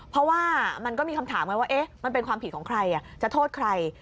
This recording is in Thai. เพราะว่ามันก็มีคำถามไงว่ามันเป็นความผิดของใครจะโทษใคร